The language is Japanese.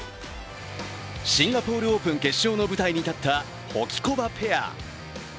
シンガポールオープン決勝の舞台に立ったホキコバペア。